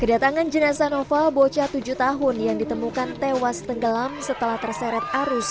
kedatangan jenazah noval bocah tujuh tahun yang ditemukan tewas tenggelam setelah terseret arus